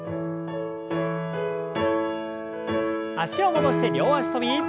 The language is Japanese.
脚を戻して両脚跳び。